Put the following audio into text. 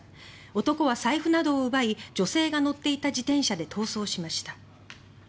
男は財布などを奪い女性が乗っていた自転車で逃走しました。